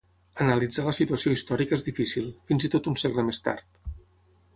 Analitzar la situació històrica és difícil, fins i tot un segle més tard.